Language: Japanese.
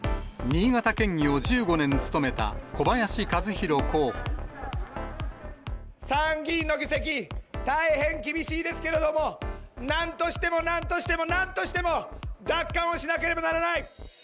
新潟県議を１５年務めた、参議院の議席、大変厳しいですけれども、なんとしても、なんとしても、なんとしても、奪還をしなければならない。